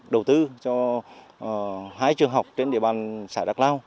đầu tư cho hai trường học trên địa bàn xã đắk lao